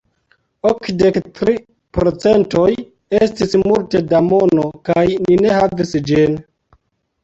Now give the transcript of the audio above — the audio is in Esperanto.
Okdek tri procentoj estis multe da mono, kaj ni ne havis ĝin.